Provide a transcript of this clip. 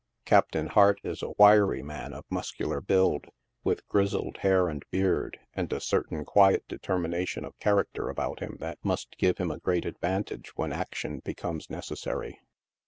Captain Hartt is a wiry man of muscular buM, with grizzled hair and beard, and a certain quiet determination of character about him that must give him a great advantage when action becomes necessary.